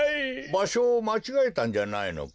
ばしょをまちがえたんじゃないのか？